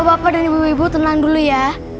bapak dan ibu ibu tenang dulu ya